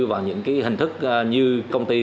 vào những hình thức như công ty